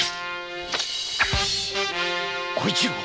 小一郎！